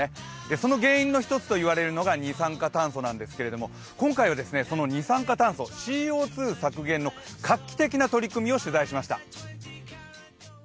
その原因の一つといわれるのが二酸化炭素なんですけど今回はその二酸化炭素、ＣＯ２削減の画期的な取り組みを取材しました。